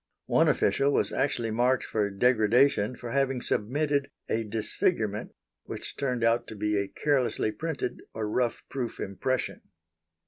One official was actually marked for degradation for having submitted a disfigurement which turned out to be a carelessly printed, or rough, proof impression.